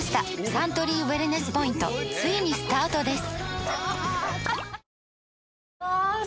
サントリーウエルネスポイントついにスタートです！